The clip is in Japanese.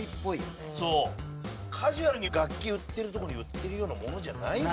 カジュアルに楽器売ってるとこに売ってるようなものじゃない。